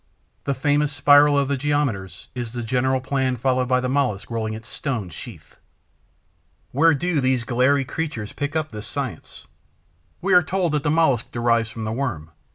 The famous spiral of the geometers is the general plan followed by the Mollusc rolling its stone sheath. Where do these glairy creatures pick up this science? We are told that the Mollusc derives from the Worm.